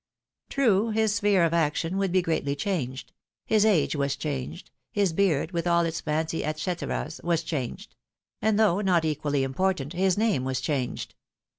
True, his sphere of action would be greatly changed ; his age was changed ; his beard, with all its fency et ceteras, was changed ; and, though not equally impor tant, his name was changed.